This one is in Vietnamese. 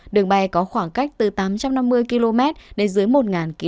đường bay có khoảng cách từ tám trăm năm mươi km đến dưới một km